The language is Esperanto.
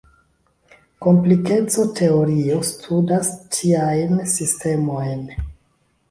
Komplikeco-teorio studas tiajn sistemojn.